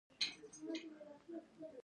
مکتوب له قلم خوردګۍ پرته ولیکئ.